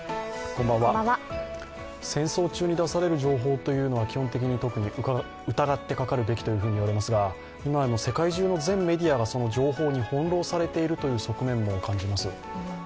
戦争中に出される情報というのは基本的に特に疑ってかかるべきと言われますが、今世界中の全メディアがその情報に翻弄されているという側面も感じます。